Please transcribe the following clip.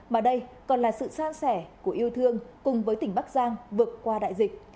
mà đây còn là sự san sẻ của yêu thương cùng với tỉnh bắc giang vượt qua đại dịch